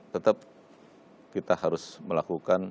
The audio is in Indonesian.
tetap kita harus melakukan